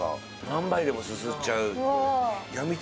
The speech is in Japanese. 何杯でもすすっちゃう。